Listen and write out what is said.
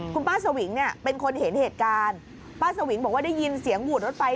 คุณป้าสวิงเนี่ยเป็นคนเห็นเหตุการณ์ป้าสวิงบอกว่าได้ยินเสียงหวูดรถไฟ